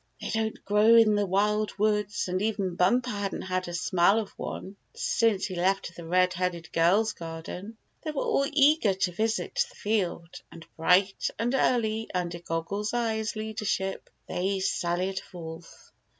They don't grow in the wild woods, and even Bumper hadn't had a smell of one since he left the red headed girl's garden. They were all eager to visit the field, and bright and early, under Goggle Eyes's leadership, they sallied forth.